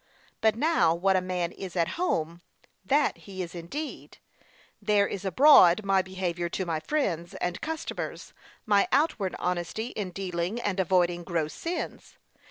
But now what a man is at home, that he is indeed. There is abroad, my behaviour to my friends, and customers, my outward honesty in dealing and avoiding gross sins.